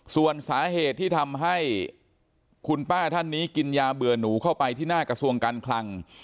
ส่วนสาเหตุที่ทำให้คุณป้าท่านนี้กินยาเบื่อหนูเข้าไปที่หน้ากระทรวงการคลัง